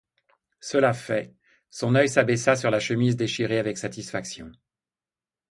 Cela fait, son oeil s'abaissa sur la chemise déchirée avec satisfaction.